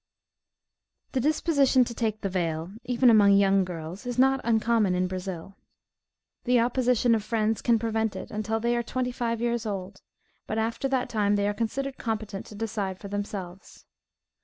The disposition to take the veil, even among young girls, is not uncommon in Brazil. The opposition of friends can prevent it, until they are twenty five years old; but after that time they are considered competent to decide for themselves.